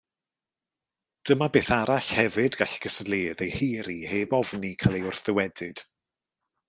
Dyma beth arall hefyd gall y cystadleuydd ei haeru heb ofni cael ei wrthddywedyd.